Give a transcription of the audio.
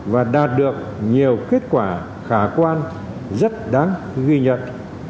và đạt được nhiều kết quả khả quan rất đáng ghi nhận